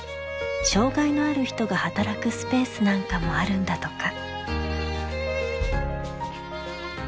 障害のある人が働くスペースなんかもあるんだとか。